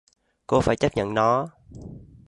cô phải chấp nhận nó